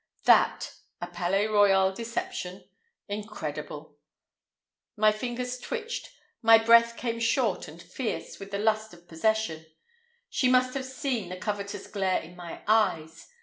That a Palais Royal deception! Incredible! My fingers twitched, my breath came short and fierce with the lust of possession. She must have seen the covetous glare in my eyes.